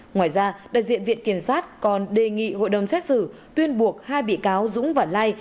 ngoài ra đại diện viện kiểm sát còn đề nghị hội đồng xét xử tuyên buộc hai bị cáo dũng và lai